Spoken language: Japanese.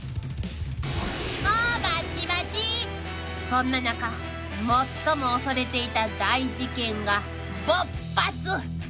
［そんな中最も恐れていた大事件が勃発］